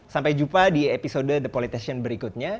sampai jumpa di episode the politician berikutnya